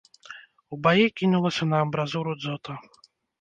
У баі кінулася на амбразуру дзота.